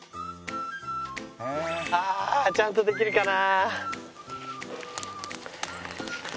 ああちゃんとできるかな？